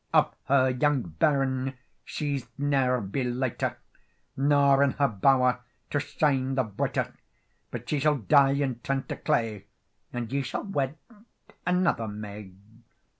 "Of her young bairn she's ne'er be lighter, Nor in her bow'r to shine the brighter; But she shall die, and turn to clay, And ye shall wed another may."